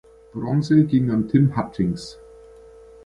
Bronze ging an Tim Hutchings.